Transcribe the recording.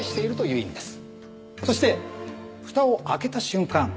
そして蓋を開けた瞬間